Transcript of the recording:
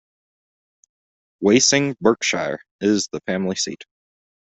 Wasing, Berkshire, is the family seat.